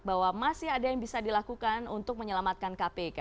bahwa masih ada yang bisa dilakukan untuk menyelamatkan kpk